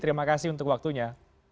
terima kasih untuk waktunya